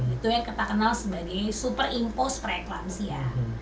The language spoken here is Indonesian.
itu yang kita kenal sebagai superimpos preeklampsia